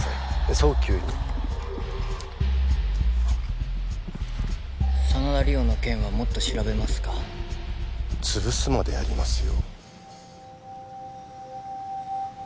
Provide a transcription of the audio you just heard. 早急に真田梨央の件はもっと調べますか潰すまでやりますよ